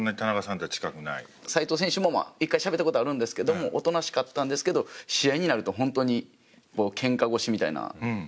齋藤選手も１回しゃべったことあるんですけどもおとなしかったんですけど試合になると本当にけんか腰みたいな子なので。